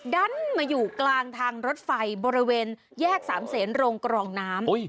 ดันมาอยู่กลางทางรถไฟบริเวณแยก๓เซนลงกล่องน้ำ